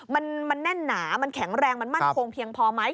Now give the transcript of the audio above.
มันแน่นหนามันแข็งแรงมันมั่นคงเพียงพอไหม